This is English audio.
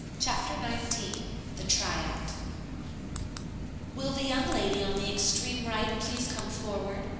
CHAPTER XIX THE TRY OUT "Will the young lady on the extreme right please come forward?"